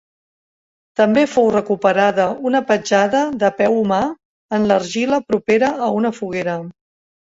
També fou recuperada una petjada de peu humà en l’argila propera a una foguera.